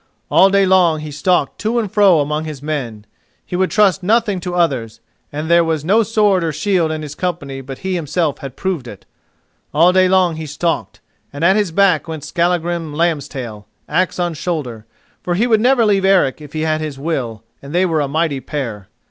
All day long he stalked to and fro among his men; he would trust nothing to others, and there was no sword or shield in his company but he himself had proved it. All day long he stalked, and at his back went Skallagrim Lambstail, axe on shoulder, for he would never leave Eric if he had his will, and they were a mighty pair.